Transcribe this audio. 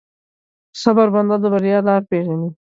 د صبر بنده، د بریا لاره پېژني.